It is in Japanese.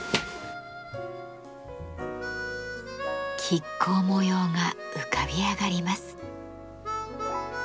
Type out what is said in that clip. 亀甲模様が浮かび上がります。